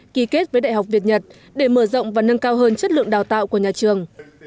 ký kết với đại học việt nhật để mở rộng và nâng cao hơn chất lượng đào tạo của nhà trường